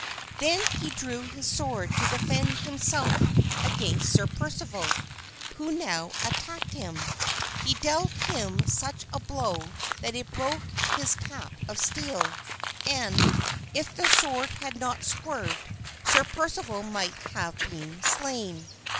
Then he drew his sword to defend himself against Sir Percival who now attacked him. He dealt him such a blow that it broke his cap of steel; and, if the sword had not swerved, Sir Percival might have been slain.